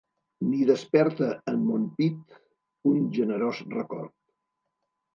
Ni desperta en mon pit un generós record...